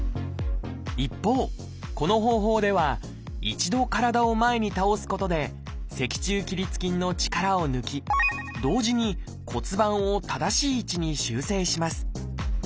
一方この方法では一度体を前に倒すことで脊柱起立筋の力を抜き同時に骨盤を正しい位置に修正します。